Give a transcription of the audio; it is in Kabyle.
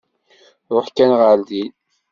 Ṛuḥ kan ɣer din.